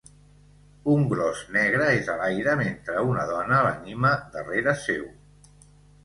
Un gros negre és a l'aire mentre una dona l'anima darrere seu.